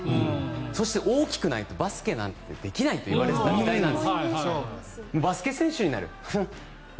そして大きくないとバスケなんてできないといわれていた時代なんです。